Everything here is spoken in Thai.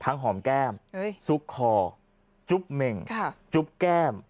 ทั้งหอมแก้มเอ้ยซุกคอจุ๊บเม็งค่ะจุ๊บแก้ม